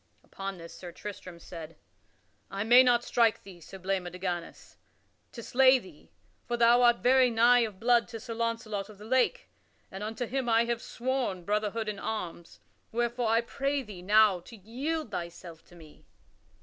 Upon this Sir Tristram said: "I may not strike thee, Sir Blamor de Ganys, to slay thee, for thou art very nigh of blood to Sir Launcelot of the Lake, and unto him I have sworn brotherhood in arms; wherefore I pray thee now to yield thyself to me."